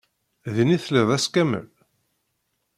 Din i telliḍ ass kamel?